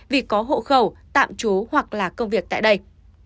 vì có hộ khẩu tạm trú hoặc là công việc tại đây